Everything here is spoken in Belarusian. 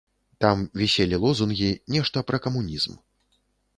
Там віселі лозунгі, нешта пра камунізм.